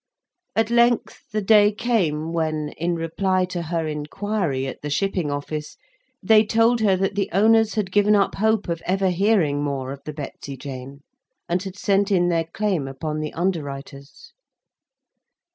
At length the day came when, in reply to her inquiry at the Shipping Office, they told her that the owners had given up Hope of ever hearing more of the Betsy Jane, and had sent in their claim upon the underwriters.